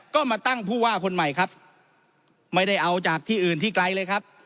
ก็มาตั้งผู้ว่าคนใหม่ครับไม่ได้เอาจากที่อื่นที่ไกลเลยครับ